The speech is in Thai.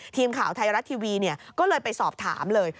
ทีมข่าวไทยรัฐทีวีก็เลยไปสอบถามเลย